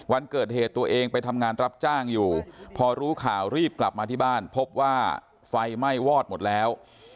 วันเกิดเหตุตัวเองไปทำงานรับจ้างอยู่พอรู้ข่าวรีบกลับมาที่บ้านพบว่าไฟไหม้วอดหมดแล้ว